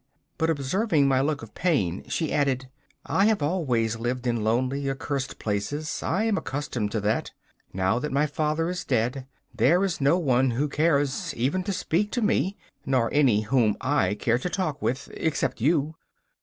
But observing my look of pain, she added: 'I have always lived in lonely, accurst places; I am accustomed to that. Now that my father is dead, there is no one who cares even to speak to me, nor any whom I care to talk with except you.